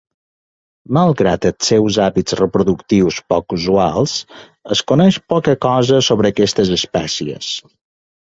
Malgrat els seus hàbits reproductius poc usuals, es coneix poca cosa sobre aquestes espècies.